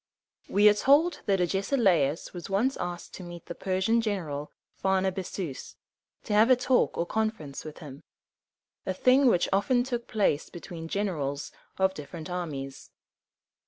We are told that Agesilaus was once asked to meet the Persian general Phar na ba´zus, to have a talk or conference with him, a thing which often took place between generals of different armies.